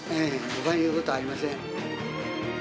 ほかに言うことありません。